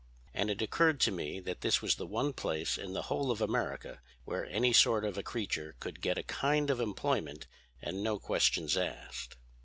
And it occurred to me that this was the one place in the whole of America where any sort of a creature could get a kind of employment and no questions asked.